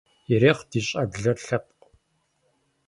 Ирехъу ди щӀэблэр лъэпкъ!